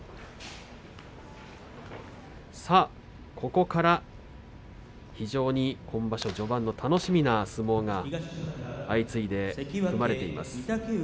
ここから今場所序盤の楽しみな相撲が相次いで組まれています。